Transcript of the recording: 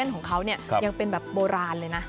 ๗๑๑ของเขายังเป็นแบบโบราณเลยนะ